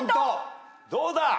どうだ！？